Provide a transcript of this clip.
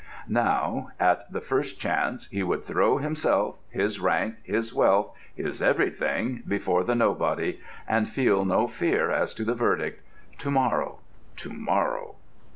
Now, at the first chance, he would throw himself, his rank, his wealth, his everything before the nobody, and feel no fear as to the verdict. To morrow—to morrow!